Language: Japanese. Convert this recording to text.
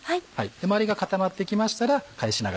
周りが固まってきましたら返しながら。